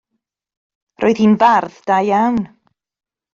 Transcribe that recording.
Roedd hi'n fardd da iawn.